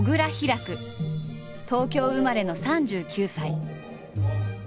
東京生まれの３９歳。